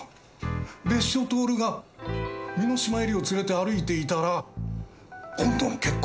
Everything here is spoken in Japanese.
別所透が簑島絵里を連れて歩いていたら今度の結婚